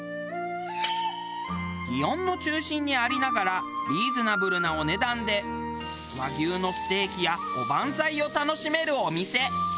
園の中心にありながらリーズナブルなお値段で和牛のステーキやおばんざいを楽しめるお店。